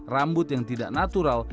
rambut yang tidak natural